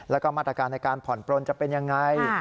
แล้วก็มาตรการในการผ่อนปลนจะเป็นยังไง